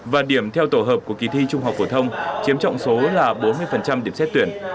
và điểm theo tổ hợp của kỳ thi trung học phổ thông chiếm trọng số là bốn mươi điểm xét tuyển